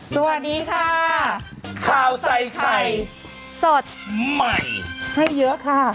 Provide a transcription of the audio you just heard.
สวัสดีค่ะข้าวใส่ไข่สดใหม่ให้เยอะค่ะ